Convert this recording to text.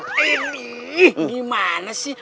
ini gimana sih